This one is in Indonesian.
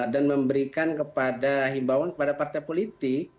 dan memberikan kepada himbauan kepada partai politik